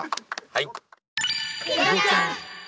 はい。